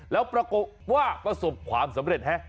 แล้วปรากฏว่าประสบความสำเร็จฮะ